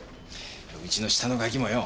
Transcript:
うちの下のガキもよ